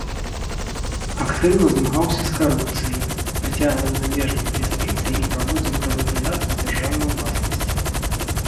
Актыўна змагаўся з карупцыяй, прыцягваў замежныя інвестыцыі і праводзіў прыватызацыю дзяржаўнай уласнасці.